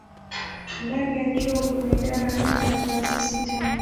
Ndani ya chuo kuna idara nne na taasisi tano.